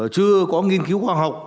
chưa có nghiên cứu khoa học